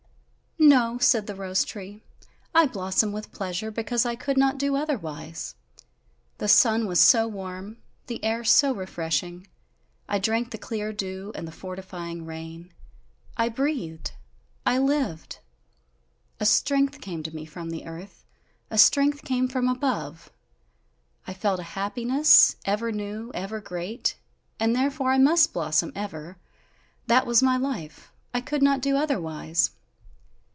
"No," said the rose tree, "I blossom with pleasure because I could not do otherwise. The sun was so warm, the air so refreshing, I drank the clear dew and the fortifying rain; I breathed, I lived! A strength came to me from the earth, a strength came from above, I felt a happiness, ever new, ever great and therefore I must blossom ever, that was my life, I could not do otherwise!"